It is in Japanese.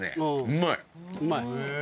うまい！